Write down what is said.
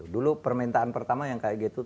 dulu permintaan pertama yang kayak gitu